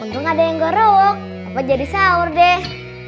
untung ada yang gue rowok papa jadi sahur deh